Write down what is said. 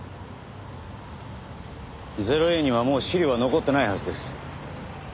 ０−Ａにはもう資料は残ってないはずです。